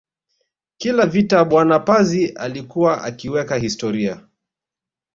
Kila vita bwana Pazi alikuwa akiweka historia